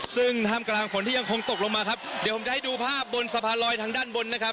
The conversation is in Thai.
ซึ่งท่ามกลางฝนที่ยังคงตกลงมาครับเดี๋ยวผมจะให้ดูภาพบนสะพานลอยทางด้านบนนะครับ